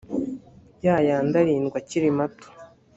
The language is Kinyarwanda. ya yandi arindwi akiri mato